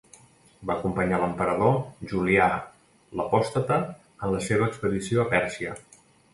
Va acompanyar l'emperador Julià l'Apòstata en la seva expedició a Pèrsia.